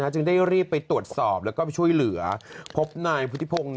จึงได้รีบไปตรวจสอบแล้วก็ไปช่วยเหลือพบนายพุทธิพงศ์